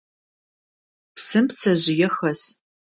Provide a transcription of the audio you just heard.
Псым пцэжъые хэс.